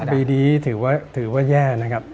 ปีนี้ถือว่าแย่นะครับ